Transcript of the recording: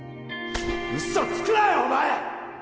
ウソつくなよお前！